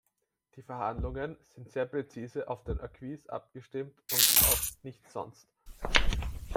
Die Verhandlungen sind sehr präzise auf den Acquis abgestimmt und auf nichts sonst.